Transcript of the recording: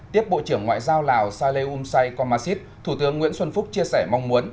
tiếp bộ trưởng ngoại giao lào saleh umsai qamashid thủ tướng nguyễn xuân phúc chia sẻ mong muốn